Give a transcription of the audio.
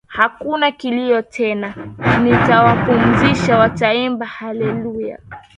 Hakuna kilio tena Nitawapumzisha wataimba haleluya